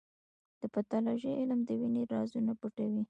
د پیتالوژي علم د وینې رازونه پټوي.